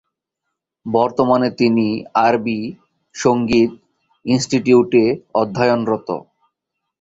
বর্তমানে তিনি আরবি সঙ্গীত ইনস্টিটিউট এ অধ্যয়নরত।